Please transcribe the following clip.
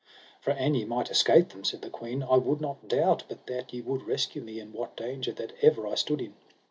For an ye might escape them, said the queen, I would not doubt but that ye would rescue me in what danger that ever I stood in.